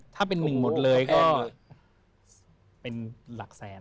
ถ้าเป็น๑หมวดเลยก็เป็นหลักแสน